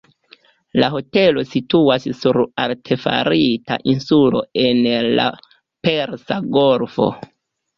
La hotelo situas sur artefarita insulo en la Persa Golfo.